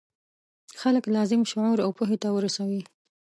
خلک لازم شعور او پوهې ته ورسوي.